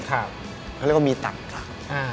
เขาเรียกว่ามีตักต่าง